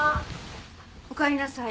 おかえりなさい。